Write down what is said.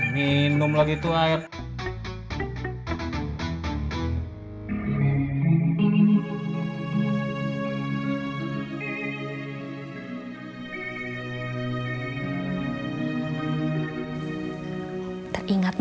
minumlah gitu air